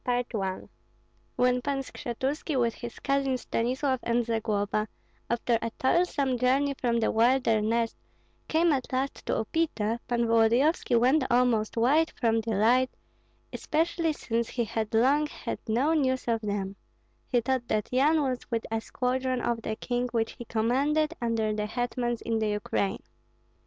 CHAPTER XIII. When Pan Skshetuski with his cousin Stanislav and Zagloba, after a toilsome journey from the wilderness, came at last to Upita, Pan Volodyovski went almost wild from delight, especially since he had long had no news of them; he thought that Yan was with a squadron of the king which he commanded under the hetmans in the Ukraine.